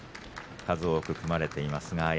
数多く組まれています。